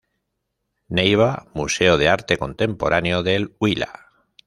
Neiva, Museo de Arte Contemporáneo del Huila.